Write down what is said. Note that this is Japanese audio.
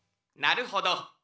なるほど。